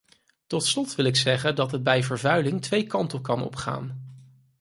Tot slot wil ik zeggen dat het bij vervuiling twee kanten kan opgaan.